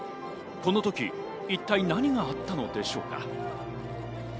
この時、一体何があったのでしょうか？